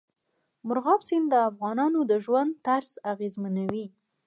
مورغاب سیند د افغانانو د ژوند طرز اغېزمنوي.